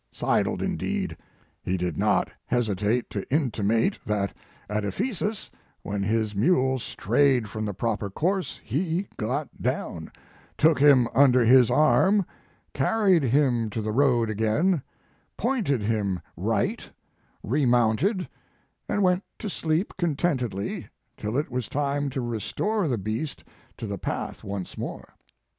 Sidled/ indeed! He did iiot hesitate to intimate that at Ephesus, when his mule strayed from the proper course, he got down, took him under his arm, carried him to the road again, pointed him right, remounted, and went to sleep contentedly till it was time to restore the beast to the path once more.